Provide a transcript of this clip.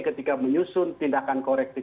ketika menyusun tindakan korektif